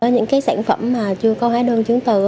những cái sản phẩm mà chưa có hóa đơn chứng từ